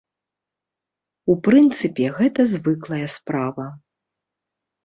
У прынцыпе, гэта звыклая справа.